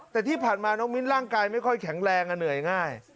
แต่ที่ผ่านมาน้องมิ้นร่างกายไม่ค่อยแข็งแรงเหนื่อยง่าย